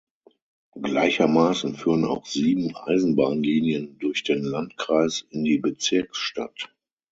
Gleichermaßen führen auch sieben Eisenbahnlinien durch den Landkreis in die Bezirksstadt.